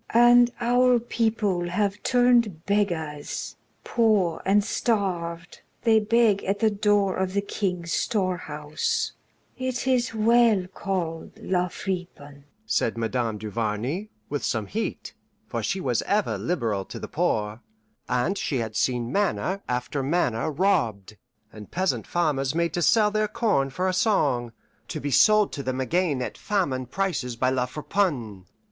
"And our people have turned beggars; poor and starved, they beg at the door of the King's storehouse it is well called La Friponne," said Madame Duvarney, with some heat; for she was ever liberal to the poor, and she had seen manor after manor robbed, and peasant farmers made to sell their corn for a song, to be sold to them again at famine prices by La Friponne.